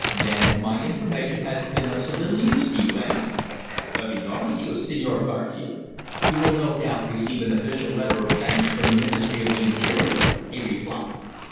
"Then my information has been of some little use to you eh?" "Of enormous use, Señor Garfield! You will no doubt receive an official letter of thanks from the Ministry of the Interior," he replied.